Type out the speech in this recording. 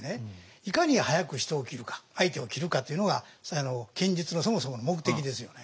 いかに早く人を斬るか相手を斬るかというのが剣術のそもそもの目的ですよね。